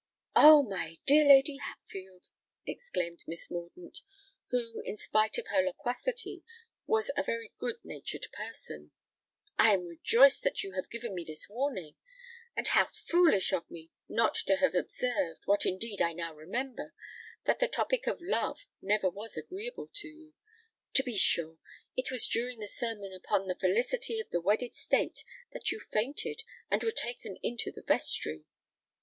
"Oh! my dear Lady Hatfield," exclaimed Miss Mordaunt, who, in spite of her loquacity, was a very good natured person, "I am rejoiced that you have given me this warning. And how foolish of me not to have observed—what indeed I now remember—that the topic of Love never was agreeable to you. To be sure! it was during the sermon upon the felicity of the wedded state, that you fainted and were taken into the vestry!"